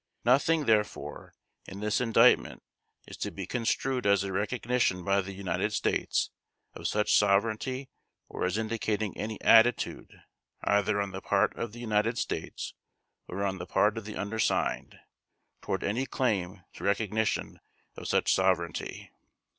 Nothing, therefore, in this Indictment is to be construed as a recognition by the United States of such sovereignty or as indicating any attitude, either on the part of the United States or on the part of the undersigned, toward any claim to recognition of such sovereignty.